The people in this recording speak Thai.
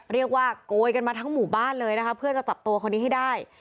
เรียกว่าโกยกันมาทั้งหมู่บ้านเลยนะคะเพื่อจะจับตัวคนนี้ให้ได้